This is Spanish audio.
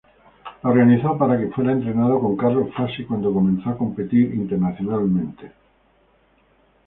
La organizó para que fuera entrenada por Carlo Fassi cuando comenzó a competir internacionalmente.